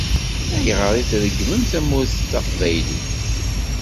Ayɣer i tregmem tamurt taqbaylit?